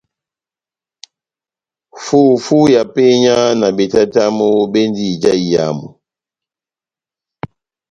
Fufu ya penya na betatamu bendi ija iyamu.